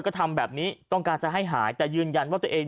ก็ทำแบบนี้ต้องการจะให้หายแต่ยืนยันว่าตัวเอง